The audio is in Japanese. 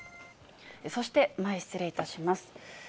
そして、前、失礼いたします。